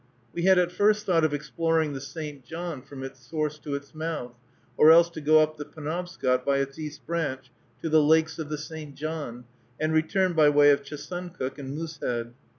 We had at first thought of exploring the St. John from its source to its mouth, or else to go up the Penobscot by its East Branch to the lakes of the St. John, and return by way of Chesuncook and Moosehead.